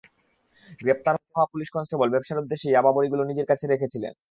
গ্রেপ্তার হওয়া police constable ব্যবসার উদ্দেশ্যে ইয়াবা বড়িগুলো নিজের কাছে রেখেছিলেন।